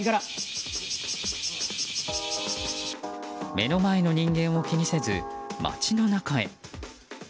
目の前の人間を気にせず街の中へ。